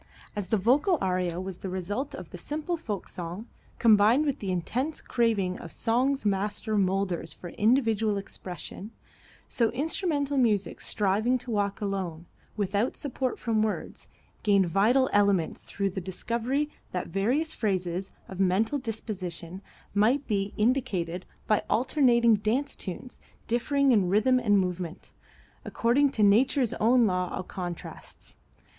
As the vocal aria was the result of the simple folk song combined with the intense craving of song's master molders for individual expression, so instrumental music striving to walk alone, without support from words, gained vital elements through the discovery that various phases of mental disposition might be indicated by alternating dance tunes differing in rhythm and movement, according to Nature's own law of contrasts.